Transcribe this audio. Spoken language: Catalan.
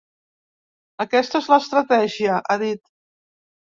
Aquesta és l’estratègia, ha dit.